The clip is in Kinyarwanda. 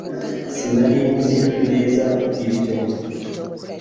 sinari nzi neza ibyo